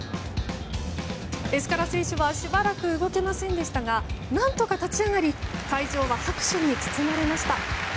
エスカラ選手はしばらく動けませんでしたが何とか立ち上がり会場は拍手に包まれました。